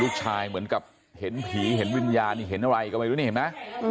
ลูกชายเหมือนกับเห็นผีเห็นวิญญาณหรือเห็นอะไรกำลังไปดูนี่เห็นไหม